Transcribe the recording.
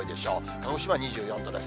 鹿児島２４度です。